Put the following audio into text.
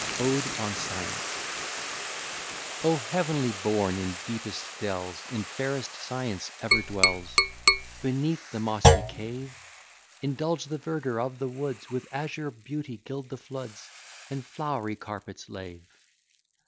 ] ODE ON SCIENCE O, heavenly born! in deepest dells If fairest science ever dwells Beneath the mossy cave; Indulge the verdure of the woods, With azure beauty gild the floods, And flowery carpets lave.